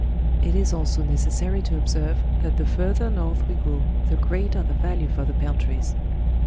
It is also necessary to observe, that the further north we go, the greater the value for the peltries.